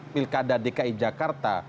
pilkada dki jakarta